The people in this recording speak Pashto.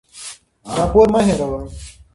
راپور مه هېروه.